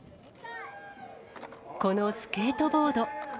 このスケートボード。